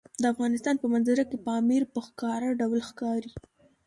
د افغانستان په منظره کې پامیر په ښکاره ډول ښکاري.